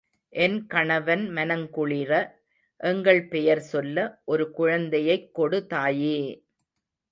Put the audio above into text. என் கணவன் மனங்குளிர, எங்கள் பெயர் சொல்ல, ஒரு குழந்தையைக் கொடு தாயே!